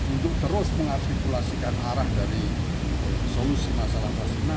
untuk terus mengaktiflasikan arah dari solusi masalah sinan